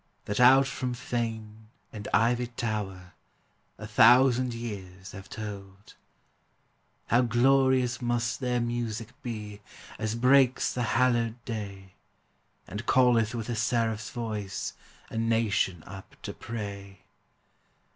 That out from fane and ivied tower A thousand years have tolled; How glorious must their music be As breaks the hallowed day, And calleth with a seraph's voice A nation up to pray!